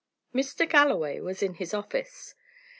Mr. Galloway was in his office.